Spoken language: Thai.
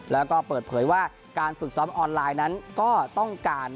แล้วก็เปิดเผยว่าการฝึกซ้อมออนไลน์นั้นก็ต้องการ